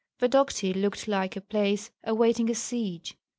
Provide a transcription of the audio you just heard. Vodokty looked like a place awaiting a siege.